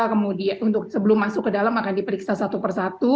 kemudian untuk sebelum masuk ke dalam akan diperiksa satu persatu